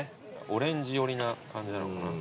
オレンジ寄りな感じなのかな？